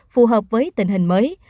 phù hợp với tình hình mới